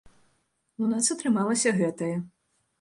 У нас атрымалася гэтая.